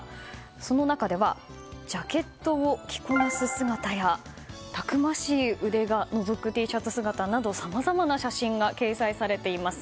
その中ではジャケットを着こなす姿やたくましい腕がのぞくＴシャツ姿などさまざまな写真が掲載されています。